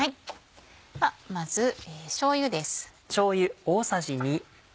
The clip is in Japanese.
ではまずしょうゆです。